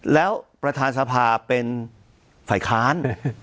แล้วประธานสภาเป็นฝ่ายค้าน